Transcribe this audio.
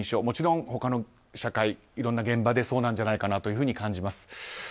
もちろん、他の社会いろんな現場でそうなんじゃないかと感じます。